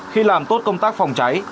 khi làm tốt công tác phòng cháy